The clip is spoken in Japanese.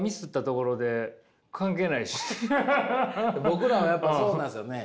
僕らはやっぱそうなんですよね。